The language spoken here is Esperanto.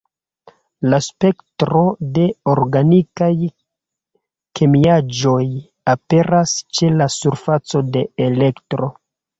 La spektro de organikaj kemiaĵoj aperas ĉe la surfaco de Elektro.